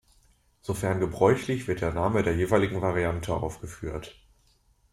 Sofern gebräuchlich, wird der Name der jeweiligen Variante aufgeführt.